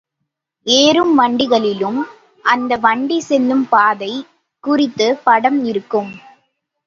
ஏறும் வண்டிகளிலும் அந்த வண்டி செல்லும் பாதை குறித்துப் படம் இருக்கும்.